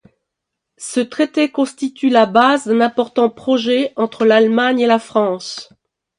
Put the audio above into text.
Ce traité constitue la base d’un important projet entre l’Allemagne et la France.